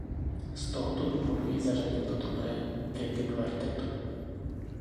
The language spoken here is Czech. Z tohoto důvodu ji zařadil do druhé věty kvartetu.